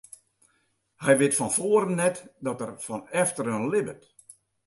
Hy wit fan foaren net dat er fan efteren libbet.